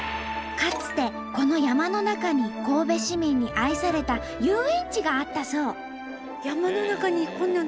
かつてこの山の中に神戸市民に愛された遊園地があったそう。